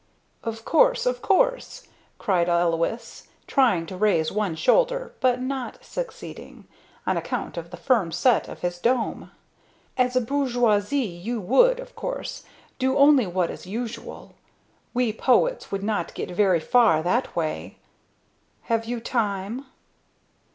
"Of course, of course!" cried Alois, trying to raise one shoulder, but not succeeding, on account of the firm set of his dome. "As a bourgeoise you would, of course, do only what is usual. We poets would not get very far that way. Have you time?"